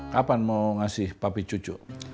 kapan mau ngasih papi cucu